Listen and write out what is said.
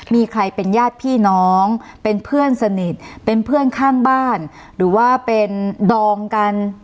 มีใครเป็นญาติพี่น้องเป็นเพื่อนสนิทเป็นเพื่อนข้างบ้านหรือว่าเป็นดองกัน